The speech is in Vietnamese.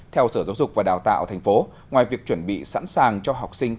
theo sở giáo dục và đào tạo thành phố ngoài việc chuẩn bị sẵn sàng cho học sinh